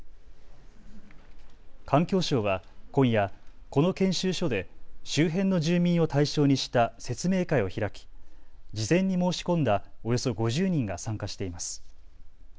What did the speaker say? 環境省は今夜、この研修所で周辺の住民を対象にした説明会を開き、事前に申し込んだおよそ５０人が参加しています。